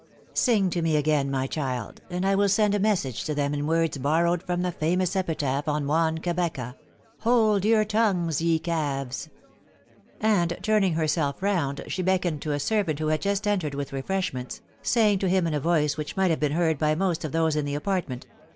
•...€ Sing to me again, my child, and I will send a message to them in words borrowed from the famous epitaph on Juan Cabeca, ....* Hold your tongues, ye calves !'"•«•• and turning herself round she beckoned to a servant who had just entered with refreshments, saying to him in a voice which might have been heard by most of those in the apartment.